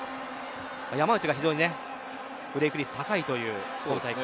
山内が非常にブレーク率、高いという今大会。